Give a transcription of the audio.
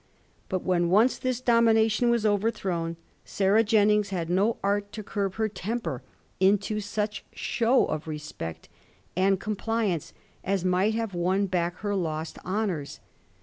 But when once this domination was overthrown Sarah Jennings had no art to curb her temper into such show of respect and compliance as might have won back her lost honours.